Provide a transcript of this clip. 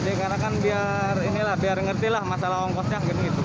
ya dikatakan biar ngerti masalah ongkosnya